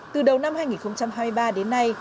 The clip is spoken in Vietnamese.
từ đầu năm hai nghìn hai mươi ba đến nay